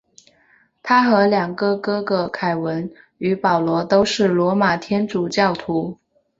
他和两个哥哥凯文与保罗都是罗马天主教徒。